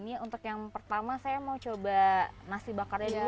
nah ini untuk yang pertama saya mau coba nasi bakarnya dulu ya bu ya